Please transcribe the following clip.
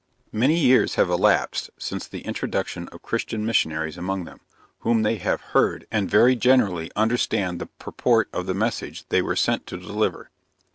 Many years have elapsed since the introduction of Christian Missionaries among them, whom they have heard, and very generally understand the purport of the message they were sent to deliver.